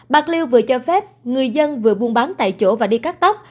bạc liêu vừa cho phép người dân vừa buôn bán tại chỗ và đi cắt tóc